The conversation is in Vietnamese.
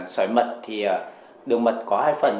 sỏi mật thì đường mật có hai phần